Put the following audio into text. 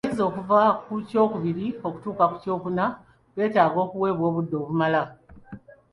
Abayizi okuva ku kyokubiri okutuuka ku kyokuna beetaga okuweebwa obudde obumala.